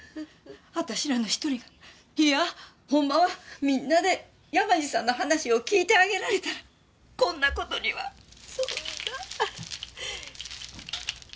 私らの１人がいやほんまはみんなで山路さんの話を聞いてあげられたらこんな事には。そうやな。